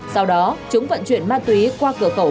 sau đó chúng vận chuyển ma túy qua cửa khẩu